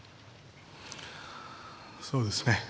そうですね。